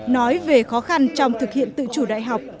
nói về khó khăn trong thực hiện tự chủ đại học